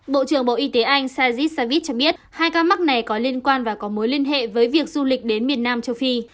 bộ trưởng bộ y tế anh sajis savich cho biết hai ca mắc này có liên quan và có mối liên hệ với việc du lịch đến miền nam châu phi